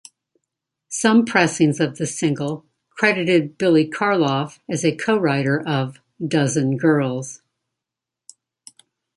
Some pressings of the single credited Billy Karloff as a co-writer of "Dozen Girls".